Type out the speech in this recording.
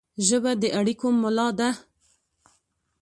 ژبه د اړیکو ملا ده